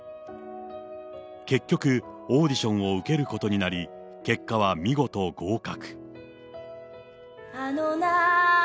結局、オーディションを受けることになり、結果は見事合格。